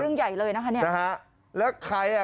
อ๋อเรื่องใหญ่เลยนะคะนี่